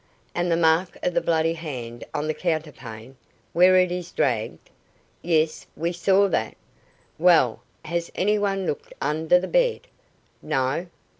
"And the mark of the bloody hand on the counterpane, where it is dragged?" "Yes, we saw that." "Well, has any one looked under the bed?" "No."